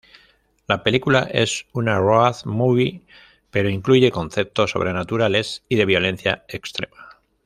La película es una road movie pero incluye conceptos sobrenaturales y de violencia extrema.